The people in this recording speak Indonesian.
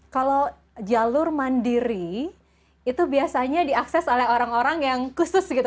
kalau jalur mandiri itu biasanya diakses oleh orang orang yang khusus gitu